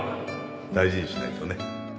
大事にしないとね